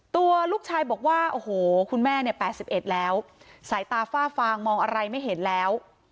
ตัวลูกชายบอกว่าโอ้โหคุณแม่เนี่ย๘๑แล้วสายตาฝ้าฟางมองอะไรไม่เห็นแล้ว